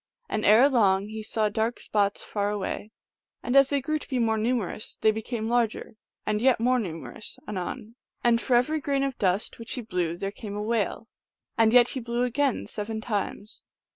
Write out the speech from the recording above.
And erelong he saw dark spots far away, and as they grew to be more numerous they became larger, and yet more numerous anon, and for every grain of dust which he blew there came a whale ; and yet he blew again seven times.